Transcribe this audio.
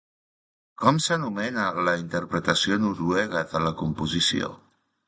Com s'anomena la interpretació noruega de la composició?